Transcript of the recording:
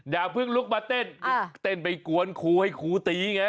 อย่าเพิ่งลุกมาเต้นเต้นไปกวนครูให้ครูตีไง